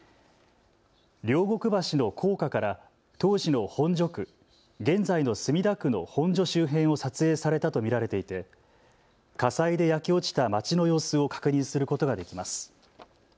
両国橋の高架から当時の本所区、現在の墨田区の本所周辺を撮影されたと見られていて、火災で焼け落ちた町の様子を確認することができます。